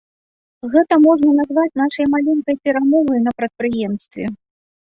Гэта можна назваць нашай маленькай перамогай на прадпрыемстве.